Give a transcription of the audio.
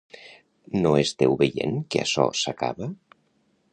No esteu veient que açò s’acaba?